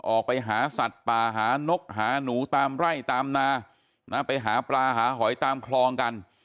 ออกไปหาสัตว์ป่าหานกหาหนูตามไร่ตามนาไปหาปลาหาหอยตามคลองกัน